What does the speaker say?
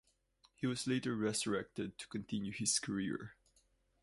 He was later resurrected to continue his career.